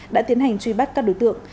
đã tiến hành truy bắt các đối tượng